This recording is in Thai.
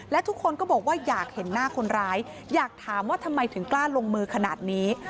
และทุกคนก็บอกว่าอยากเห็นหน้าคนร้ายอยากถามว่าทำไมถึงกล้าลงมือขนาดนี้